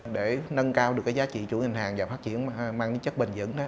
để nâng cao được cái giá trị chủ ngành hàng và phát triển mang chất bình dẫn